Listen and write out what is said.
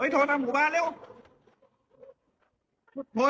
ธคอมบันคอมบ้าน